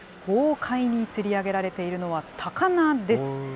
豪快につり上げられているのは、高菜です。